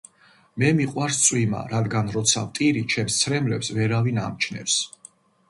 "მე მიყვარს წვიმა რადგან როცა ვტირი ჩემს ცრემლებს ვერავინ ამჩნევს"